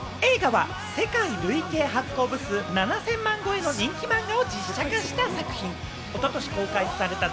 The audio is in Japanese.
映画は世界累計発行部数７０００万部超えの人気漫画を実写化した作品。